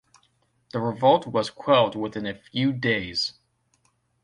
The revolt was quelled within a few days.